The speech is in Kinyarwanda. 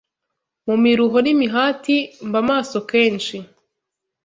mu miruho n’imihati; mba maso kenshi